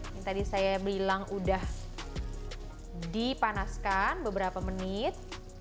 yang tadi saya bilang udah dipanaskan beberapa menit